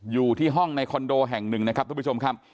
อยู่ที่ห้องในคอนโดแห่งหนึ่งนะครับทุกผู้ชมครับ